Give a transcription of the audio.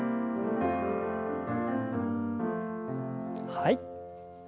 はい。